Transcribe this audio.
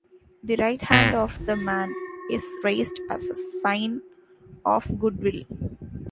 The right hand of the man is raised as a sign of good will.